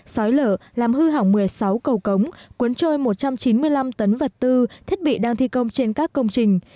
sói lở làm hư hỏng một mươi sáu cầu cống cuốn trôi một trăm chín mươi năm tấn vật tư thiết bị đang thi công trên các công trình